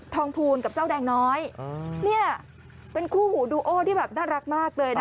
ภูลกับเจ้าแดงน้อยเนี่ยเป็นคู่หูดูโอที่แบบน่ารักมากเลยนะ